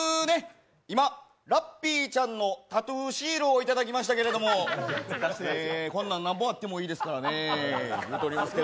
今、ラッピーちゃんのタトゥーシールをいただきましたけどこんなんなんぼあってもいいですからね。